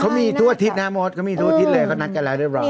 เขามีทุกอาทิตย์นะมดเขามีทุกอาทิตย์เลยเขานัดกันแล้วเรียบร้อย